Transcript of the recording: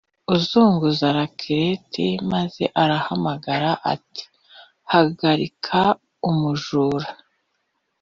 azunguza rakirete maze ahamagara ati: "hagarika umujura!"